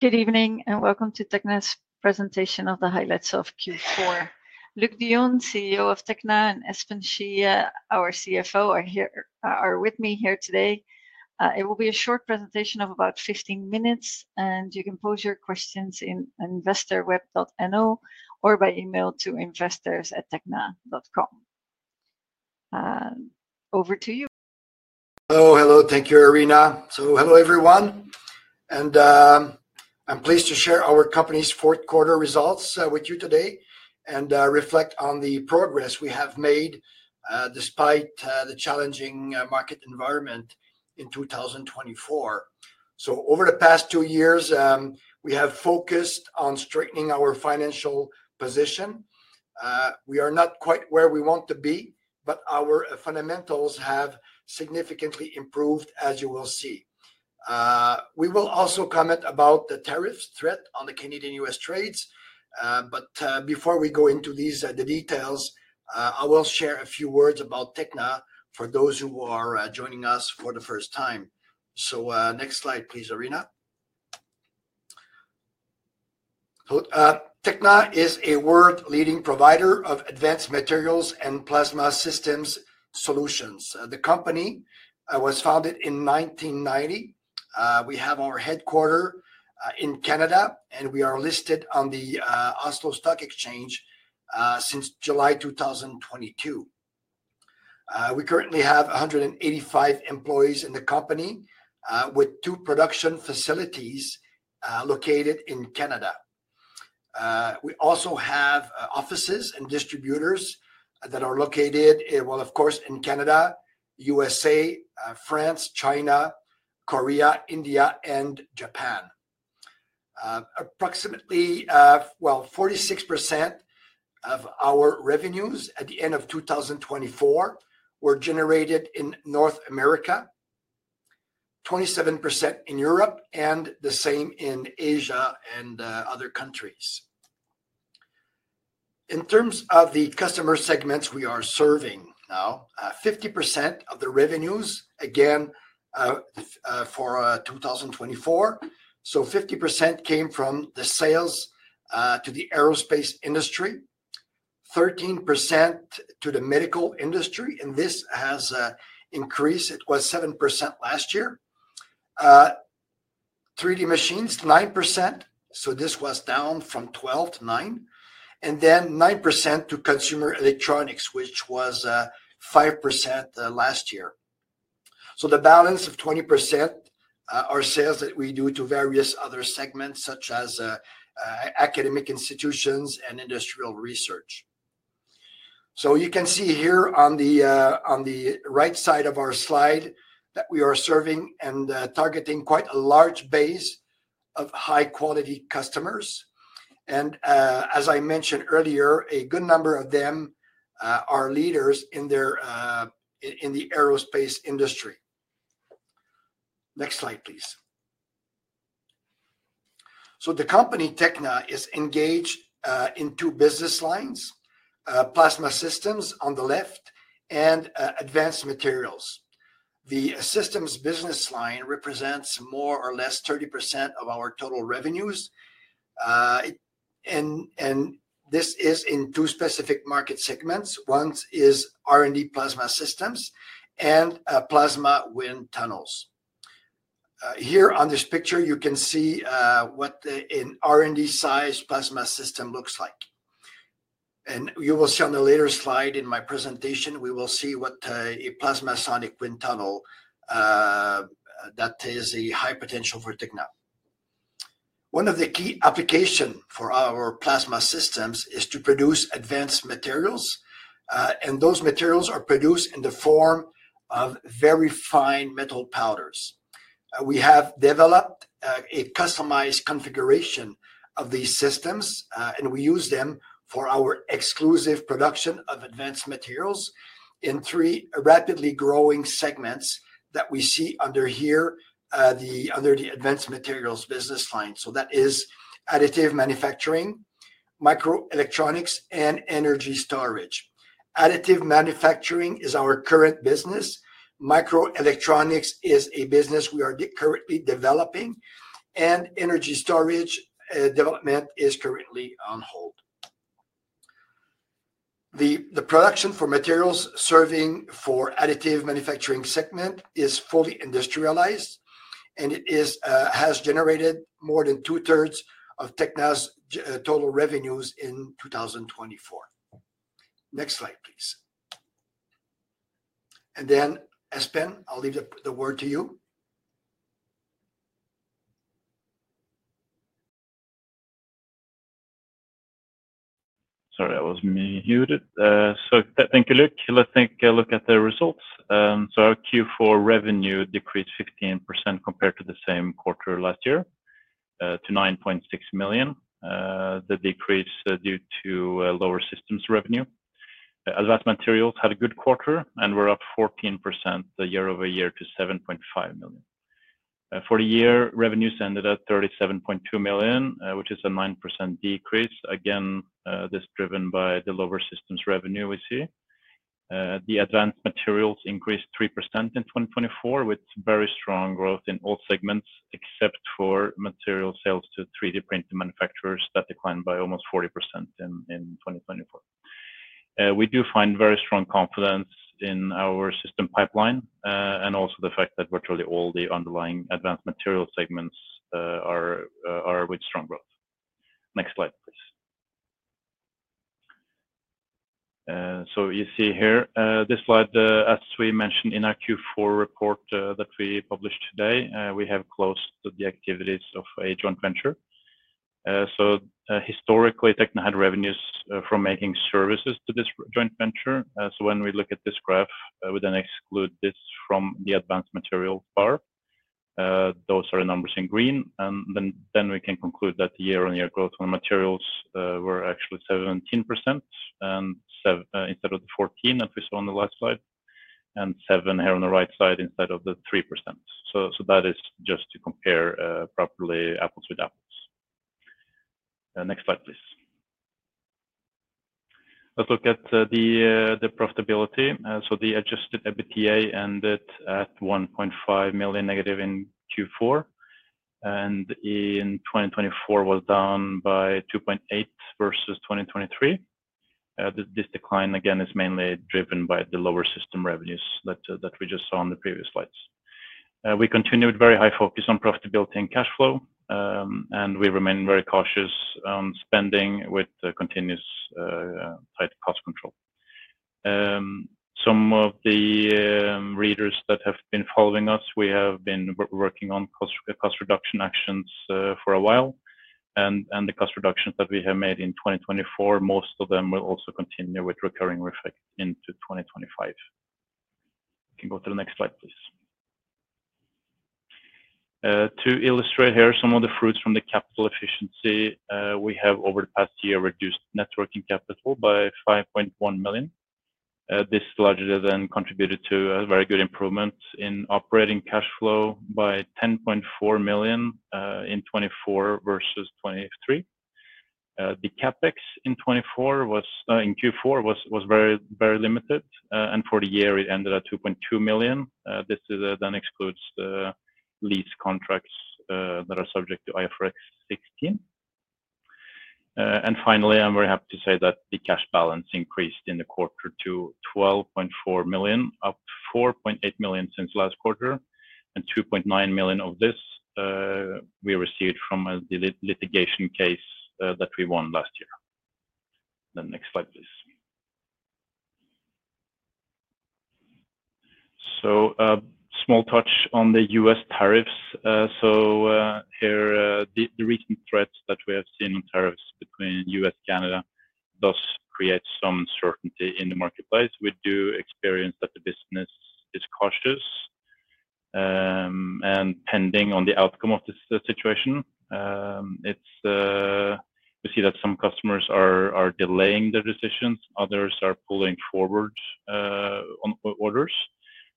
Good evening and welcome to Tekna's presentation of the highlights of Q4. Luc Dionne, CEO of Tekna, and Espen Schie, our CFO, are with me here today. It will be a short presentation of about 15 minutes, and you can post your questions in investorweb.no or by email to investors@tekna.com. Over to you. Hello, hello. Thank you, Arina. Hello, everyone. I'm pleased to share our company's fourth quarter results with you today and reflect on the progress we have made despite the challenging market environment in 2024. Over the past two years, we have focused on strengthening our financial position. We are not quite where we want to be, but our fundamentals have significantly improved, as you will see. We will also comment about the tariffs threat on the Canadian-U.S. trades. Before we go into these details, I will share a few words about Tekna for those who are joining us for the first time. Next slide, please, Arina. Tekna is a world-leading provider of advanced materials and plasma systems solutions. The company was founded in 1990. We have our headquarters in Canada, and we are listed on the Oslo Stock Exchange since July 2022. We currently have 185 employees in the company with two production facilities located in Canada. We also have offices and distributors that are located, of course, in Canada, the USA, France, China, Korea, India, and Japan. Approximately, 46% of our revenues at the end of 2024 were generated in North America, 27% in Europe, and the same in Asia and other countries. In terms of the customer segments we are serving now, 50% of the revenues, again, for 2024. 50% came from the sales to the aerospace industry, 13% to the medical industry, and this has increased. It was 7% last year. 3D machines, 9%. This was down from 12% to 9%. 9% to consumer electronics, which was 5% last year. The balance of 20% are sales that we do to various other segments, such as academic institutions and industrial research. You can see here on the right side of our slide that we are serving and targeting quite a large base of high-quality customers. As I mentioned earlier, a good number of them are leaders in the aerospace industry. Next slide, please. The company Tekna is engaged in two business lines: plasma systems on the left and advanced materials. The systems business line represents more or less 30% of our total revenues. This is in two specific market segments. One is R&D plasma systems and plasma wind tunnels. Here on this picture, you can see what an R&D-sized plasma system looks like. You will see on the later slide in my presentation, we will see what a plasma sonic wind tunnel that is a high potential for Tekna. One of the key applications for our plasma systems is to produce advanced materials. Those materials are produced in the form of very fine metal powders. We have developed a customized configuration of these systems, and we use them for our exclusive production of advanced materials in three rapidly growing segments that we see here under the advanced materials business line. That is additive manufacturing, microelectronics, and energy storage. Additive manufacturing is our current business. Microelectronics is a business we are currently developing. Energy storage development is currently on hold. The production for materials serving the additive manufacturing segment is fully industrialized, and it has generated more than two-thirds of Tekna's total revenues in 2024. Next slide, please. Espen, I'll leave the word to you. Sorry, I was muted. Thank you, Luc. Let's take a look at the results. Our Q4 revenue decreased 15% compared to the same quarter last year to 9.6 million. The decrease is due to lower systems revenue. Advanced materials had a good quarter, and were up 14% year over year to 7.5 million. For the year, revenues ended at 37.2 million, which is a 9% decrease. Again, this is driven by the lower systems revenue we see. The advanced materials increased 3% in 2024, with very strong growth in all segments except for material sales to 3D printing manufacturers that declined by almost 40% in 2024. We do find very strong confidence in our system pipeline and also the fact that virtually all the underlying advanced material segments are with strong growth. Next slide, please. You see here, this slide, as we mentioned in our Q4 report that we published today, we have closed the activities of a joint venture. Historically, Tekna had revenues from making services to this joint venture. When we look at this graph, we then exclude this from the advanced materials bar. Those are the numbers in green. We can conclude that year-on-year growth on materials was actually 17% instead of the 14% that we saw on the last slide, and 7% here on the right side instead of the 3%. That is just to compare properly apples with apples. Next slide, please. Let's look at the profitability. The adjusted EBITDA ended at 1.5 million negative in Q4, and in 2024 was down by 2.8% versus 2023. This decline, again, is mainly driven by the lower system revenues that we just saw on the previous slides. We continued very high focus on profitability and cash flow, and we remain very cautious on spending with continuous tight cost control. Some of the readers that have been following us, we have been working on cost reduction actions for a while. The cost reductions that we have made in 2024, most of them will also continue with recurring effect into 2025. You can go to the next slide, please. To illustrate here, some of the fruits from the capital efficiency, we have over the past year reduced working capital by 5.1 million. This largely then contributed to a very good improvement in operating cash flow by 10.4 million in 2024 versus 2023. The CapEx in 2024 in Q4 was very limited, and for the year, it ended at 2.2 million. This then excludes the lease contracts that are subject to IFRS 16. Finally, I'm very happy to say that the cash balance increased in the quarter to 12.4 million, up 4.8 million since last quarter, and 2.9 million of this we received from a litigation case that we won last year. Next slide, please. A small touch on the U.S. tariffs. Here, the recent threats that we have seen on tariffs between the U.S. and Canada does create some uncertainty in the marketplace. We do experience that the business is cautious and pending on the outcome of this situation. We see that some customers are delaying their decisions. Others are pulling forward orders.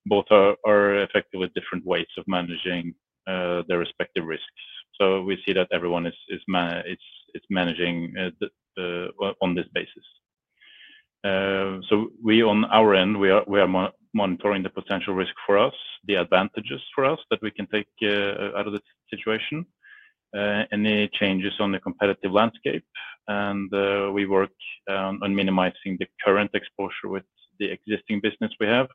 Both are effective with different ways of managing their respective risks. We see that everyone is managing on this basis. We, on our end, are monitoring the potential risk for us, the advantages for us that we can take out of the situation, any changes on the competitive landscape. We work on minimizing the current exposure with the existing business we have,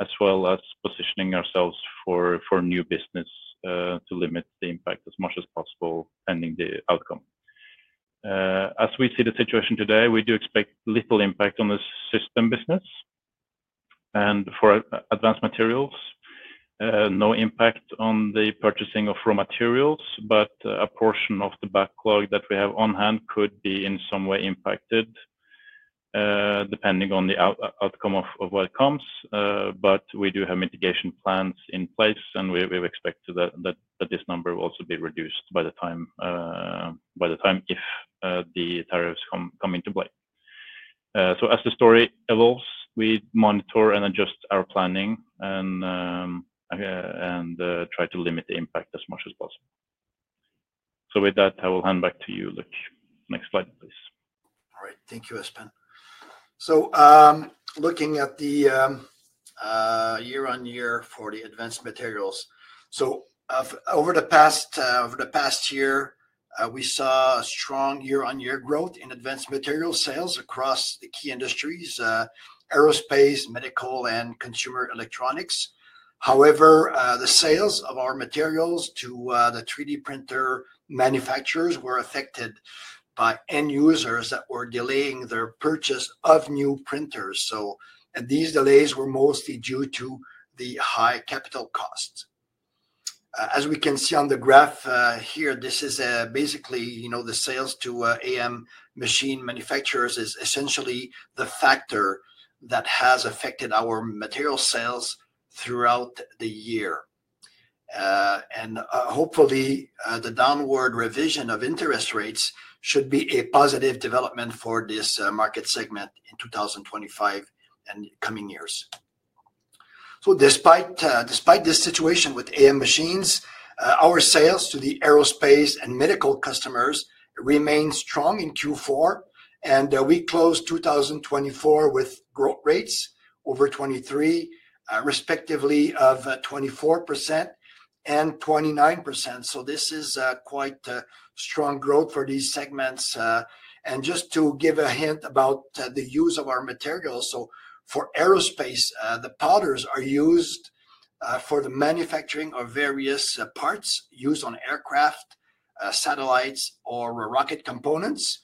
as well as positioning ourselves for new business to limit the impact as much as possible pending the outcome. As we see the situation today, we do expect little impact on the system business. For advanced materials, no impact on the purchasing of raw materials, but a portion of the backlog that we have on hand could be in some way impacted depending on the outcome of what comes. We do have mitigation plans in place, and we expect that this number will also be reduced by the time if the tariffs come into play. As the story evolves, we monitor and adjust our planning and try to limit the impact as much as possible. With that, I will hand back to you, Luc. Next slide, please. All right. Thank you, Espen. Looking at the year-on-year for the advanced materials. Over the past year, we saw a strong year-on-year growth in advanced materials sales across the key industries: aerospace, medical, and consumer electronics. However, the sales of our materials to the 3D printer manufacturers were affected by end users that were delaying their purchase of new printers. These delays were mostly due to the high capital costs. As we can see on the graph here, this is basically the sales to AM machine manufacturers is essentially the factor that has affected our material sales throughout the year. Hopefully, the downward revision of interest rates should be a positive development for this market segment in 2025 and coming years. Despite this situation with AM machines, our sales to the aerospace and medical customers remain strong in Q4. We closed 2024 with growth rates over 23%, respectively of 24% and 29%. This is quite a strong growth for these segments. Just to give a hint about the use of our materials, for aerospace, the powders are used for the manufacturing of various parts used on aircraft, satellites, or rocket components.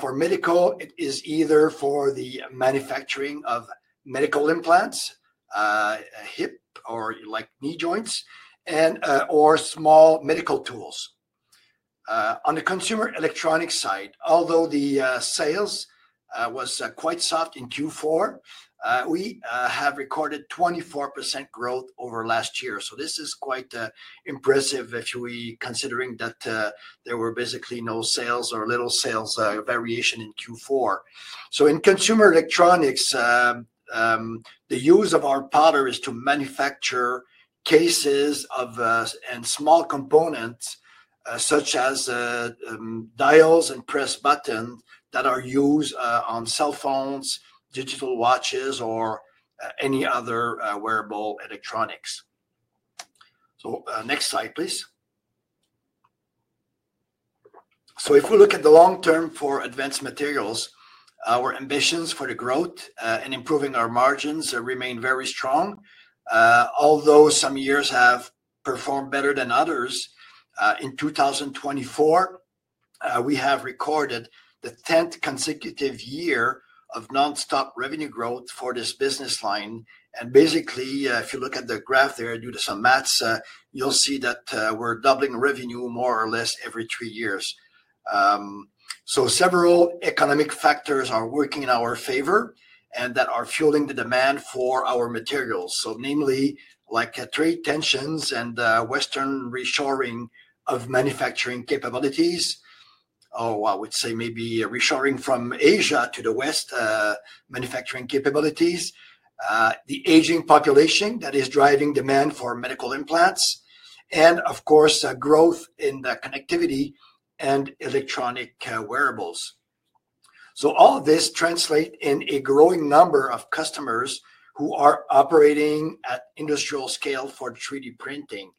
For medical, it is either for the manufacturing of medical implants, hip or knee joints, or small medical tools. On the consumer electronics side, although the sales was quite soft in Q4, we have recorded 24% growth over last year. This is quite impressive if we consider that there were basically no sales or little sales variation in Q4. In consumer electronics, the use of our powder is to manufacture cases and small components such as dials and press buttons that are used on cell phones, digital watches, or any other wearable electronics. Next slide, please. If we look at the long term for advanced materials, our ambitions for the growth and improving our margins remain very strong. Although some years have performed better than others, in 2024, we have recorded the 10th consecutive year of nonstop revenue growth for this business line. Basically, if you look at the graph there due to some maths, you'll see that we're doubling revenue more or less every three years. Several economic factors are working in our favor and that are fueling the demand for our materials, namely, like trade tensions and Western reshoring of manufacturing capabilities. Oh, I would say maybe reshoring from Asia to the West manufacturing capabilities, the aging population that is driving demand for medical implants, and of course, growth in the connectivity and electronic wearables. All of this translates in a growing number of customers who are operating at industrial scale for 3D printing.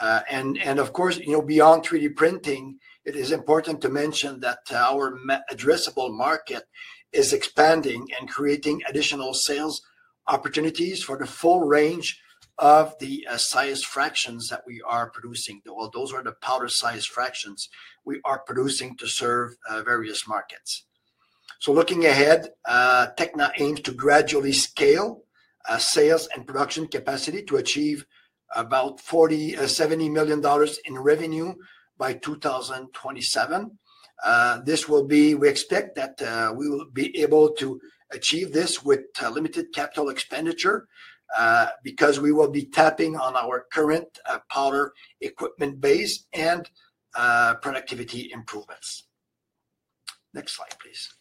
Of course, beyond 3D printing, it is important to mention that our addressable market is expanding and creating additional sales opportunities for the full range of the size fractions that we are producing. Those are the powder size fractions we are producing to serve various markets. Looking ahead, Tekna aims to gradually scale sales and production capacity to achieve about 40 million-70 million dollars in revenue by 2027. This will be, we expect that we will be able to achieve this with limited capital expenditure because we will be tapping on our current powder equipment base and productivity improvements. Next slide, please.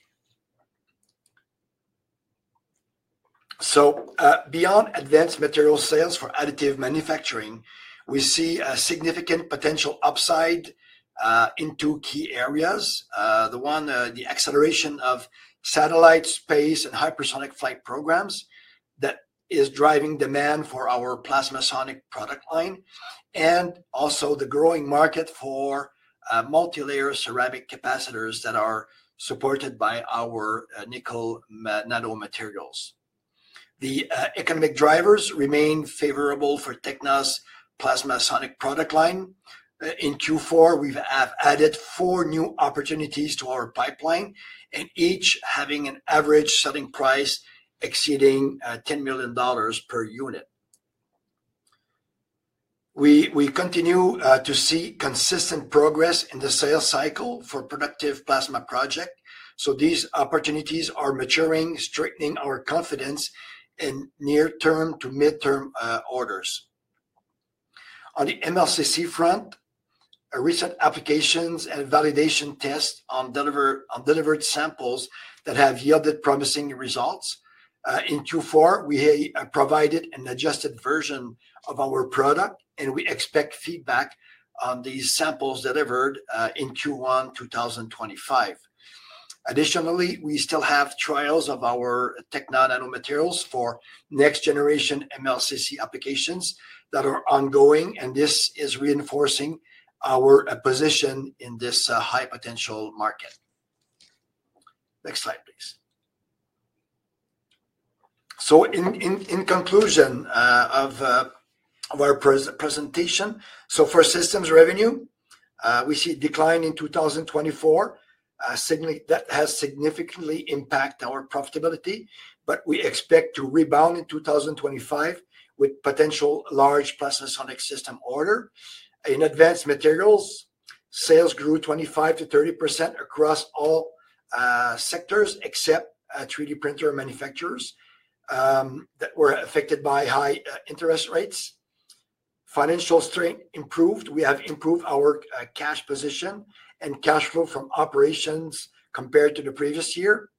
Beyond advanced materials sales for additive manufacturing, we see a significant potential upside in two key areas. One, the acceleration of satellite, space, and hypersonic flight programs that is driving demand for our plasma sonic product line, and also the growing market for multi-layer ceramic capacitors that are supported by our nickel nano materials. The economic drivers remain favorable for Tekna's plasma sonic product line. In Q4, we have added four new opportunities to our pipeline, each having an average selling price exceeding 10 million dollars per unit. We continue to see consistent progress in the sales cycle for productive plasma projects. These opportunities are maturing, strengthening our confidence in near-term to mid-term orders. On the MLCC front, recent applications and validation tests on delivered samples have yielded promising results. In Q4, we provided an adjusted version of our product, and we expect feedback on these samples delivered in Q1 2025. Additionally, we still have trials of our Tekna nano materials for next-generation MLCC applications that are ongoing, and this is reinforcing our position in this high-potential market. Next slide, please. In conclusion of our presentation, for systems revenue, we see a decline in 2024 that has significantly impacted our profitability, but we expect to rebound in 2025 with potential large plasma sonic system order. In advanced materials, sales grew 25%-30% across all sectors except 3D printer manufacturers that were affected by high interest rates. Financial strength improved. We have improved our cash position and cash flow from operations compared to the previous year.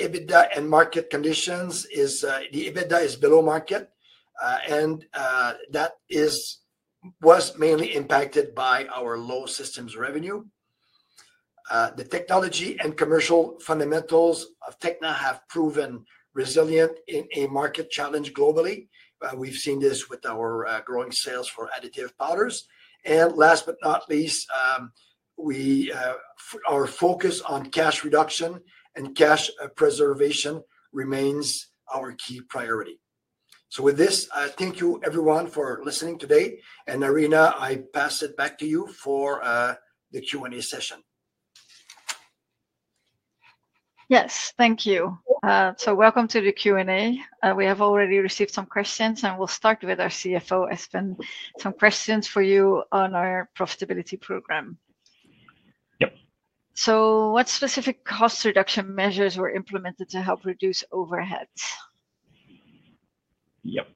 EBITDA and market conditions is the EBITDA is below market, and that was mainly impacted by our low systems revenue. The technology and commercial fundamentals of Tekna have proven resilient in a market challenge globally. We've seen this with our growing sales for additive powders. Last but not least, our focus on cash reduction and cash preservation remains our key priority. Thank you, everyone, for listening today. Arina, I pass it back to you for the Q&A session. Yes, thank you. Welcome to the Q&A. We have already received some questions, and we'll start with our CFO, Espen, some questions for you on our profitability program. Yep. What specific cost reduction measures were implemented to help reduce overheads? Yep.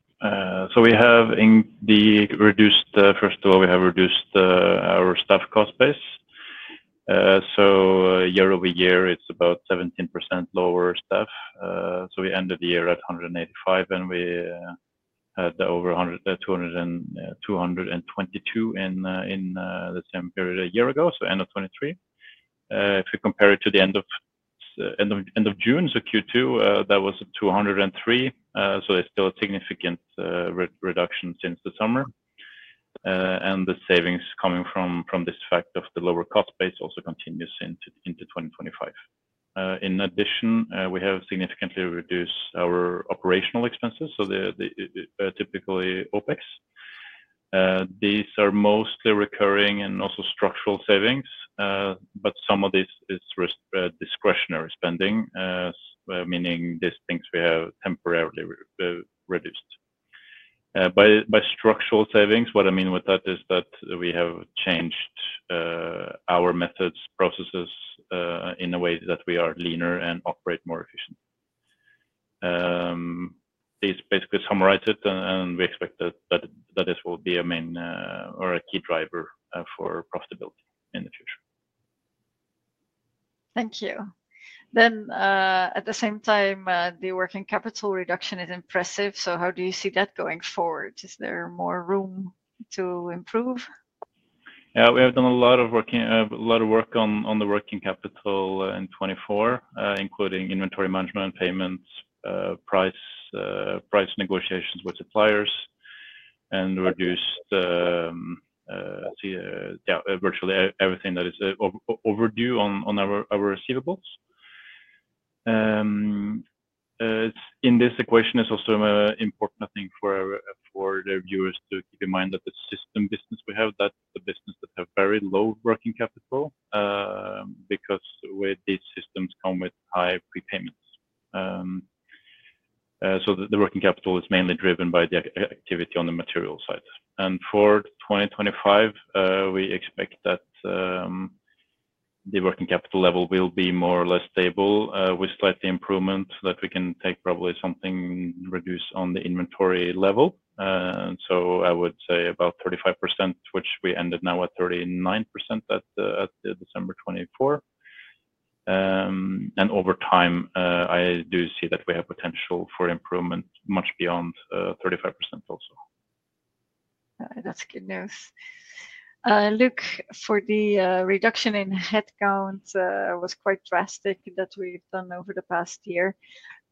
We have, in the reduced, first of all, we have reduced our staff cost base. Year over year, it's about 17% lower staff. We ended the year at 185, and we had over 222 in the same period a year ago, so end of 2023. If you compare it to the end of June, so Q2, that was 203. There is still a significant reduction since the summer. The savings coming from this fact of the lower cost base also continues into 2025. In addition, we have significantly reduced our operational expenses, so typically OPEX. These are mostly recurring and also structural savings, but some of this is discretionary spending, meaning these things we have temporarily reduced. By structural savings, what I mean with that is that we have changed our methods, processes in a way that we are leaner and operate more efficiently. This basically summarize it, and we expect that this will be a main or a key driver for profitability in the future. Thank you. At the same time, the working capital reduction is impressive. How do you see that going forward? Is there more room to improve? Yeah, we have done a lot of work, a lot of work on the working capital in 2024, including inventory management, payments, price negotiations with suppliers, and reduced, yeah, virtually everything that is overdue on our receivables. In this equation, it is also an important thing for the viewers to keep in mind that the system business we have, that is the business that has very low working capital because these systems come with high prepayments. The working capital is mainly driven by the activity on the material side. For 2025, we expect that the working capital level will be more or less stable with slight improvements that we can take, probably something reduced on the inventory level. I would say about 35%, which we ended now at 39% at December 2024. Over time, I do see that we have potential for improvement much beyond 35% also. That's good news. Luc, for the reduction in headcount, it was quite drastic that we've done over the past year.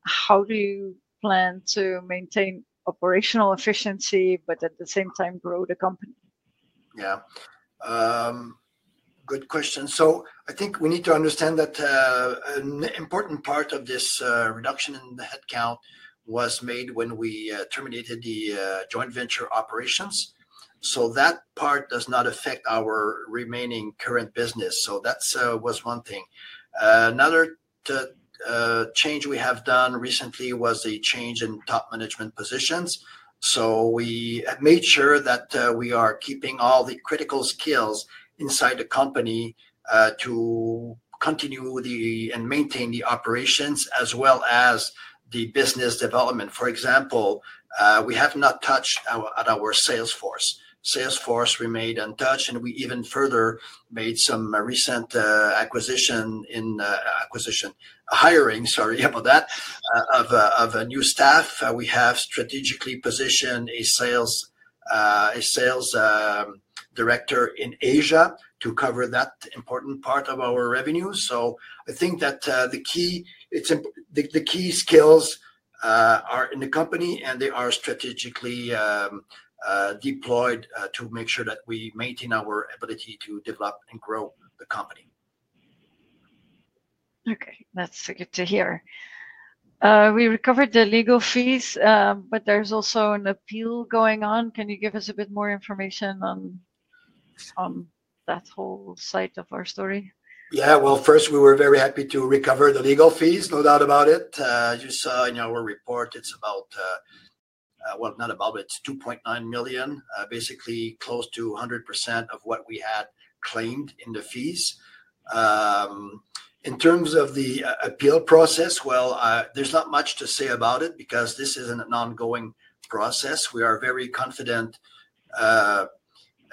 How do you plan to maintain operational efficiency, but at the same time grow the company? Yeah. Good question. I think we need to understand that an important part of this reduction in the headcount was made when we terminated the joint venture operations. That part does not affect our remaining current business. That was one thing. Another change we have done recently was a change in top management positions. We have made sure that we are keeping all the critical skills inside the company to continue and maintain the operations as well as the business development. For example, we have not touched our sales force. Sales force remained untouched, and we even further made some recent acquisition hiring, sorry about that, of a new staff. We have strategically positioned a sales director in Asia to cover that important part of our revenue. I think that the key skills are in the company, and they are strategically deployed to make sure that we maintain our ability to develop and grow the company. Okay. That's good to hear. We recovered the legal fees, but there's also an appeal going on. Can you give us a bit more information on that whole side of our story? Yeah. First, we were very happy to recover the legal fees, no doubt about it. As you saw in our report, it is about, well, not about, but it is 2.9 million, basically close to 100% of what we had claimed in the fees. In terms of the appeal process, there is not much to say about it because this is an ongoing process. We are very confident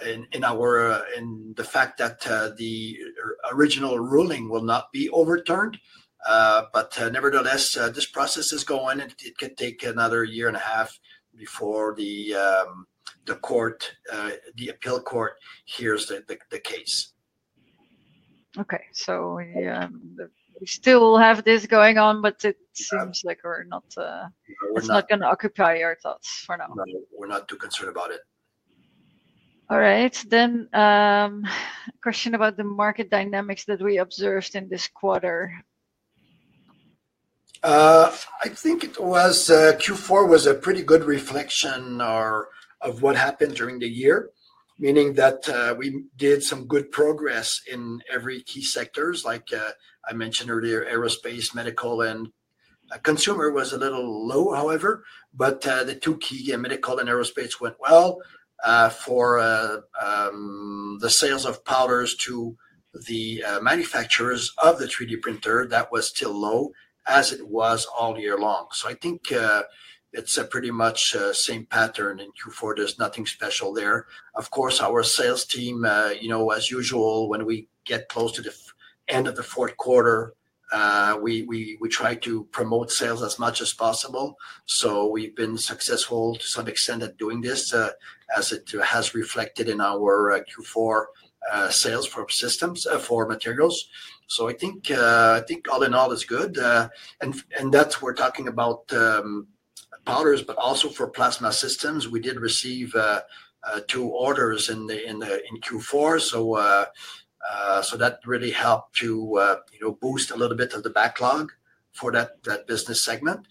in the fact that the original ruling will not be overturned. Nevertheless, this process is going, and it can take another year and a half before the court, the appeal court hears the case. Okay. We still have this going on, but it seems like we're not, it's not going to occupy our thoughts for now. We're not too concerned about it. All right. A question about the market dynamics that we observed in this quarter. I think Q4 was a pretty good reflection of what happened during the year, meaning that we did some good progress in every key sector, like I mentioned earlier, aerospace, medical, and consumer was a little low, however. The two key, medical and aerospace, went well. For the sales of powders to the manufacturers of the 3D printer, that was still low as it was all year long. I think it's pretty much the same pattern in Q4. There's nothing special there. Of course, our sales team, as usual, when we get close to the end of the fourth quarter, we try to promote sales as much as possible. We've been successful to some extent at doing this as it has reflected in our Q4 sales for systems for materials. I think all in all is good. We are talking about powders, but also for plasma systems, we did receive two orders in Q4. That really helped to boost a little bit of the backlog for that business segment.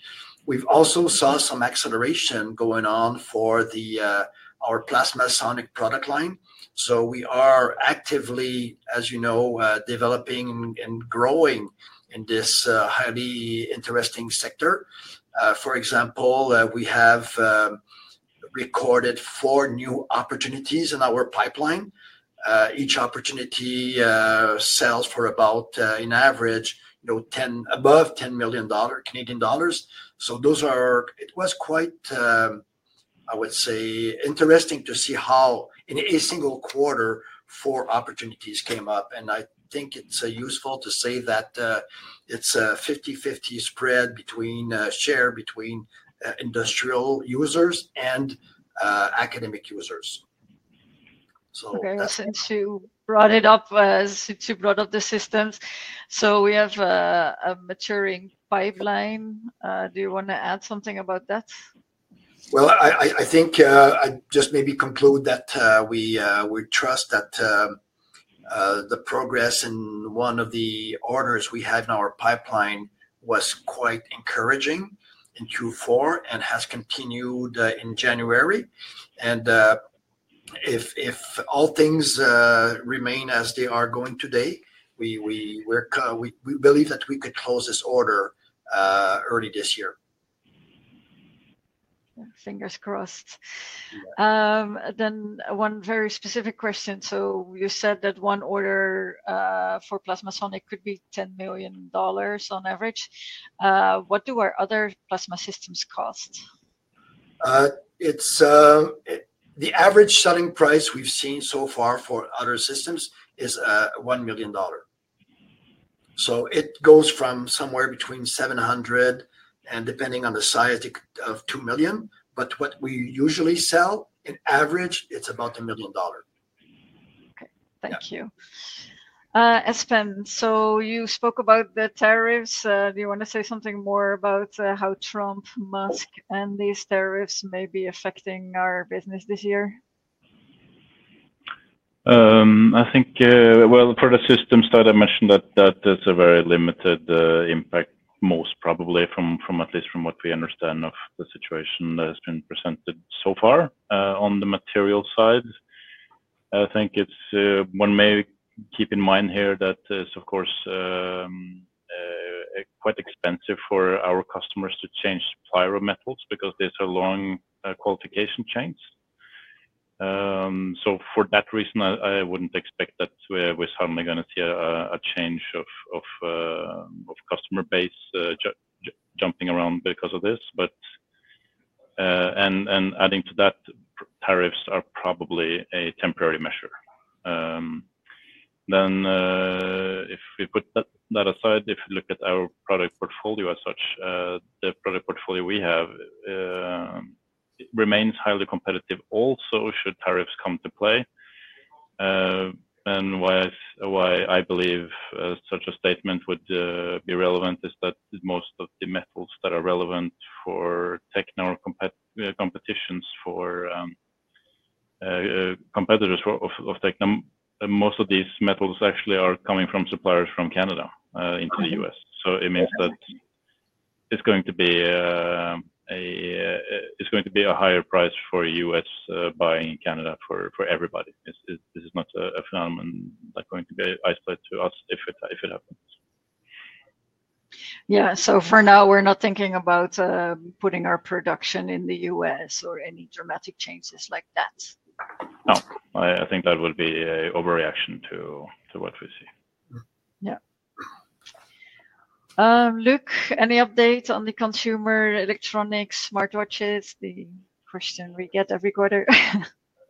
We also saw some acceleration going on for our plasma sonic product line. We are actively, as you know, developing and growing in this highly interesting sector. For example, we have recorded four new opportunities in our pipeline. Each opportunity sells for about, on average, above 10 million dollars. It was quite, I would say, interesting to see how in a single quarter four opportunities came up. I think it is useful to say that it is a 50/50 share between industrial users and academic users. Okay. Since you brought it up, since you brought up the systems, we have a maturing pipeline. Do you want to add something about that? I think I just maybe conclude that we trust that the progress in one of the orders we had in our pipeline was quite encouraging in Q4 and has continued in January. If all things remain as they are going today, we believe that we could close this order early this year. Fingers crossed. One very specific question. You said that one order for plasma sonic could be 10 million dollars on average. What do our other plasma systems cost? The average selling price we've seen so far for other systems is 1 million dollar. It goes from somewhere between 700,000 and, depending on the size, 2 million. What we usually sell, in average, it's about 1 million dollar. Okay. Thank you. Espen, you spoke about the tariffs. Do you want to say something more about how Trump, Musk, and these tariffs may be affecting our business this year? I think, for the systems that I mentioned, that is a very limited impact, most probably, from at least from what we understand of the situation that has been presented so far on the material side. I think one may keep in mind here that it's, of course, quite expensive for our customers to change metal powders because these are long qualification chains. For that reason, I wouldn't expect that we're suddenly going to see a change of customer base jumping around because of this. Adding to that, tariffs are probably a temporary measure. If we put that aside, if we look at our product portfolio as such, the product portfolio we have remains highly competitive also should tariffs come to play. Why I believe such a statement would be relevant is that most of the metals that are relevant for Tekna, competitors of Tekna, most of these metals actually are coming from suppliers from Canada into the U.S. It means that it's going to be a higher price for U.S. buying in Canada for everybody. This is not a phenomenon that's going to be isolated to us if it happens. Yeah. For now, we're not thinking about putting our production in the U.S. or any dramatic changes like that. No. I think that would be an overreaction to what we see. Yeah. Luc, any update on the consumer electronics, smartwatches, the question we get every quarter?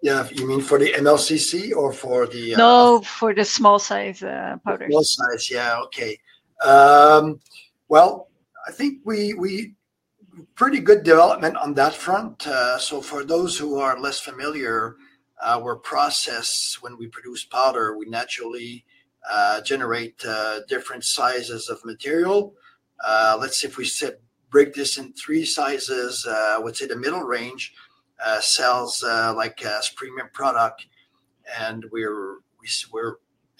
Yeah. You mean for the MLCC or for the? No, for the small size powders. Small size, yeah. Okay. I think we have pretty good development on that front. For those who are less familiar, our process when we produce powder, we naturally generate different sizes of material. Let's see if we break this in three sizes, I would say the middle range sells like a premium product.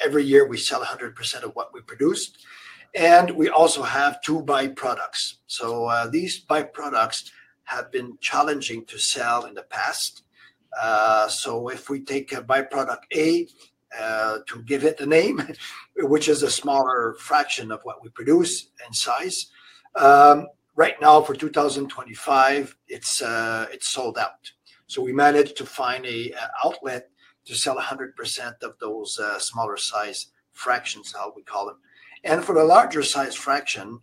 Every year, we sell 100% of what we produce. We also have two byproducts. These byproducts have been challenging to sell in the past. If we take a byproduct A to give it a name, which is a smaller fraction of what we produce in size, right now for 2025, it's sold out. We managed to find an outlet to sell 100% of those smaller size fractions, how we call them. For the larger size fraction,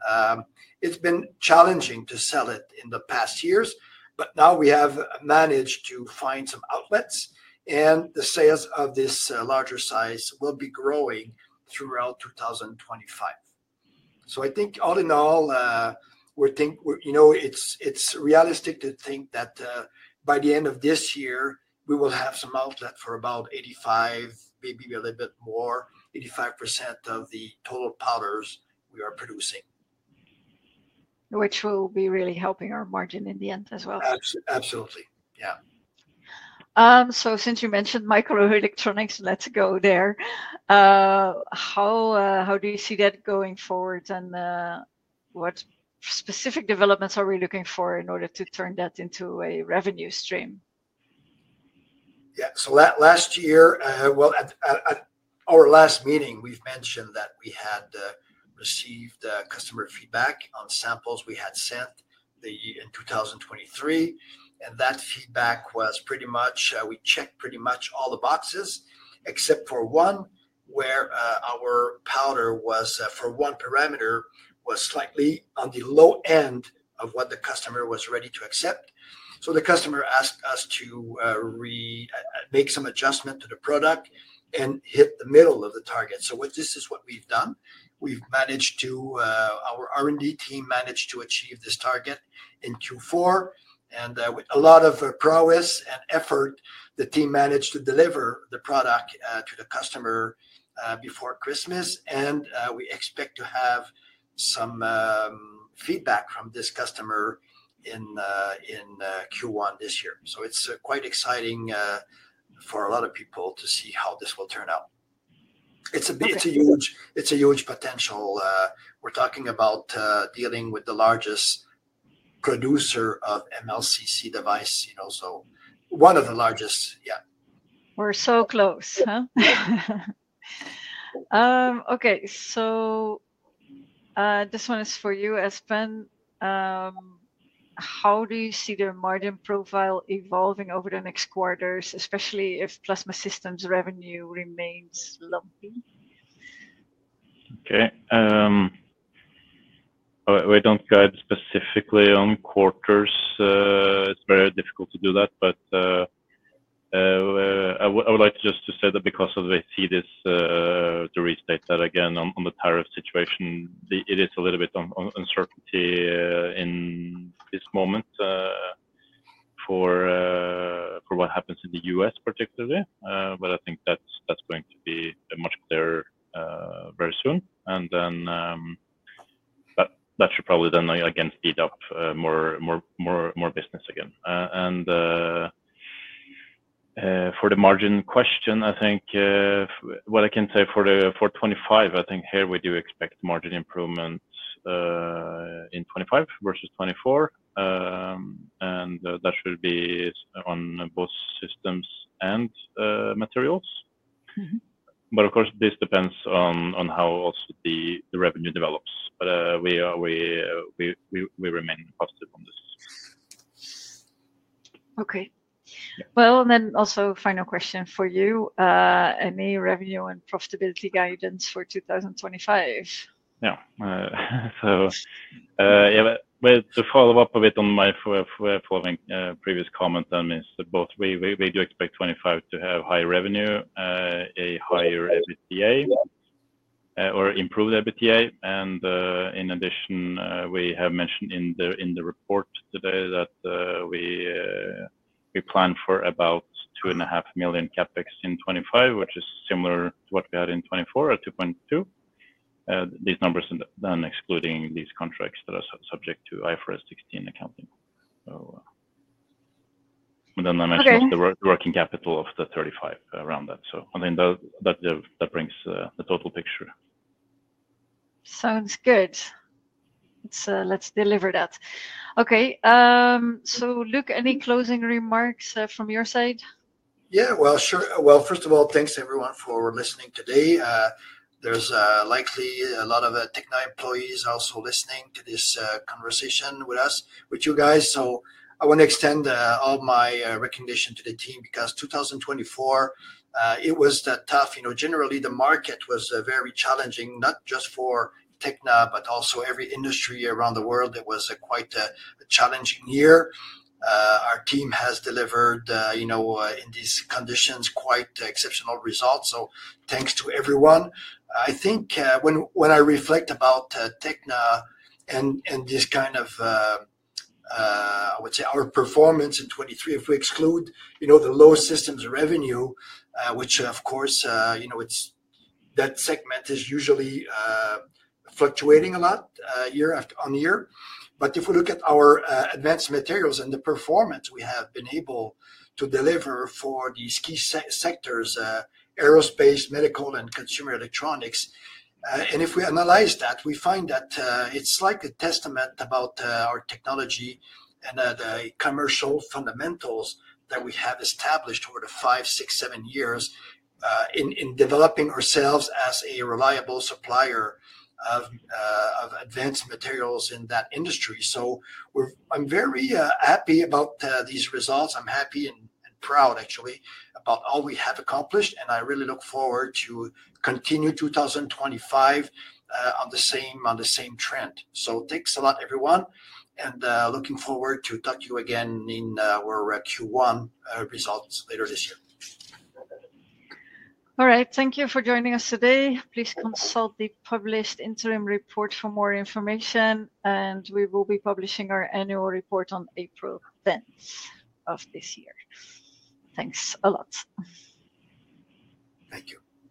it's been challenging to sell it in the past years. Now we have managed to find some outlets, and the sales of this larger size will be growing throughout 2025. I think all in all, we think it's realistic to think that by the end of this year, we will have some outlet for about 85%, maybe a little bit more, 85% of the total powders we are producing. Which will be really helping our margin in the end as well. Absolutely. Yeah. Since you mentioned microelectronics, let's go there. How do you see that going forward? And what specific developments are we looking for in order to turn that into a revenue stream? Yeah. Last year, at our last meeting, we mentioned that we had received customer feedback on samples we had sent in 2023. That feedback was pretty much, we checked pretty much all the boxes except for one where our powder was, for one parameter, slightly on the low end of what the customer was ready to accept. The customer asked us to make some adjustment to the product and hit the middle of the target. This is what we have done. Our R&D team managed to achieve this target in Q4. With a lot of prowess and effort, the team managed to deliver the product to the customer before Christmas. We expect to have some feedback from this customer in Q1 this year. It is quite exciting for a lot of people to see how this will turn out. It is a huge potential. We're talking about dealing with the largest producer of MLCC device, so one of the largest, yeah. We're so close. Okay. This one is for you, Espen. How do you see the margin profile evolving over the next quarters, especially if plasma systems revenue remains lumpy? Okay. We do not guide specifically on quarters. It is very difficult to do that. I would like just to say that, because of the seed, to restate that again on the tariff situation, there is a little bit of uncertainty in this moment for what happens in the U.S., particularly. I think that is going to be much clearer very soon. That should probably then again speed up more business again. For the margin question, I think what I can say for 2025, I think here we do expect margin improvement in 2025 versus 2024. That should be on both systems and materials. Of course, this depends on how also the revenue develops. We remain positive on this. Okay. Also, final question for you. Any revenue and profitability guidance for 2025? Yeah. Yeah, to follow up a bit on my following previous comment, I mean, both we do expect 2025 to have high revenue, a higher EBITDA, or improved EBITDA. In addition, we have mentioned in the report today that we plan for about 2.5 million CapEx in 2025, which is similar to what we had in 2024 or 2.2 million. These numbers are done excluding these contracts that are subject to IFRS 16 accounting. I mentioned the working capital of the 35% around that. I think that brings the total picture. Sounds good. Let's deliver that. Okay. Luc, any closing remarks from your side? Yeah. First of all, thanks everyone for listening today. There's likely a lot of Tekna employees also listening to this conversation with us, with you guys. I want to extend all my recognition to the team because 2024, it was tough. Generally, the market was very challenging, not just for Tekna, but also every industry around the world. It was quite a challenging year. Our team has delivered in these conditions quite exceptional results. Thanks to everyone. I think when I reflect about Tekna and this kind of, I would say, our performance in 2023, if we exclude the low systems revenue, which of course, that segment is usually fluctuating a lot year-on-year. If we look at our advanced materials and the performance we have been able to deliver for these key sectors, aerospace, medical, and consumer electronics, and if we analyze that, we find that it's like a testament about our technology and the commercial fundamentals that we have established over the five, six, seven years in developing ourselves as a reliable supplier of advanced materials in that industry. I'm very happy about these results. I'm happy and proud, actually, about all we have accomplished. I really look forward to continue 2025 on the same trend. Thanks a lot, everyone. Looking forward to talk to you again in our Q1 results later this year. All right. Thank you for joining us today. Please consult the published interim report for more information. We will be publishing our annual report on April 10th of this year. Thanks a lot. Thank you.